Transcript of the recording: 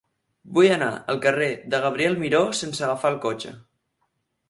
Vull anar al carrer de Gabriel Miró sense agafar el cotxe.